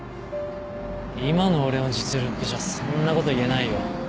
今の俺の実力じゃそんなこと言えないよ。